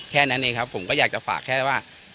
แค่นั้นเองครับผมก็อยากจะฝากแค่ว่า